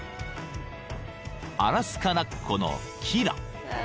［アラスカラッコのキラ］